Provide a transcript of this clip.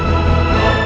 dan sekarang kamu keluar